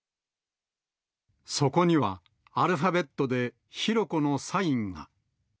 そこには、アルファベットで浩子のサインが。